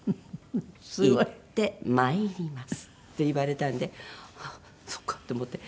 「行ってまいります」って言われたんであっそっかと思って。